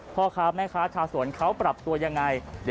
พ่อครับนะคะถ้าสวนเขาปรับตัวยังไง